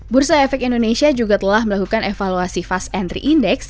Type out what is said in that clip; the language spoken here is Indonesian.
bursa efek indonesia juga telah melakukan evaluasi fast entry index